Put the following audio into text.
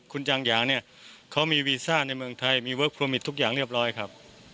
คุณจังหยางเนี่ยเขามีวีซ่าในเมืองไทยมีเวิร์คโลมิตทุกอย่างเรียบร้อยครับ